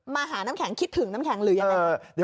มาหาน้ำแข็งคิดถึงน้ำแข็งหรือยังไง